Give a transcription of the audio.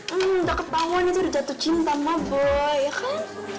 hmm deket pahwa nih tuh udah jatuh cinta sama boy ya kan